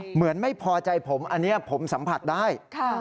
เหมือนไม่พอใจผมอันนี้ผมสัมผัสได้